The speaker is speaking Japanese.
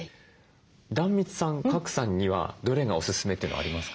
壇蜜さん賀来さんにはどれがおすすめっていうのありますか？